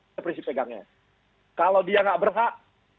itu prinsip pegangnya kalau dia nggak berhak